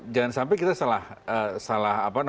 jangan sampai kita salah apa namanya